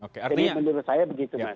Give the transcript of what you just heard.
jadi menurut saya begitu